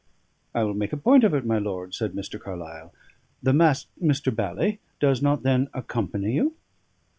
"I will make a point of it, my lord," said Mr. Carlyle. "The Mas Mr. Bally does not, then, accompany you?"